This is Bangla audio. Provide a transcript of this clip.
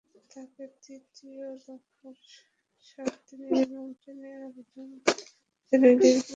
তাঁকে তৃতীয় দফায় সাত দিনের রিমান্ডে নেওয়ার আবেদন জানায় ডিবি পুলিশ।